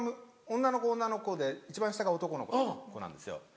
女の子女の子で一番下が男の子なんですよ。